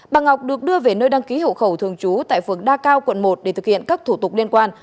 bà ngọc được đưa về nơi đăng ký hậu khẩu thường trú tại phường đa cao quận một để thực hiện các thủ tục liên quan